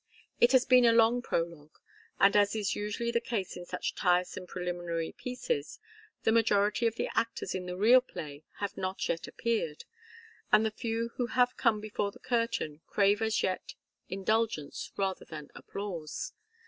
It has been a long prologue, and, as is usually the case in such tiresome preliminary pieces, the majority of the actors in the real play have not yet appeared, and the few who have come before the curtain crave as yet indulgence rather than applause.